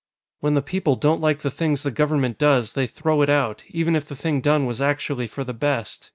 "When the people don't like the things the Government does, they throw it out even if the thing done was actually for the best.